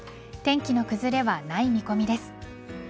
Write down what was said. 天気の崩れはない見込みです。